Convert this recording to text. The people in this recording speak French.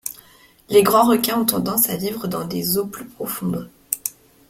Les grands requins ont tendance à vivre dans des eaux plus profondes.